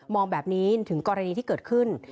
องแบบนี้ถึงกรณีที่เกิดขึ้น